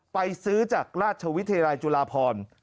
ไปซื้อจากราชวิทยาลัยจุฬาพร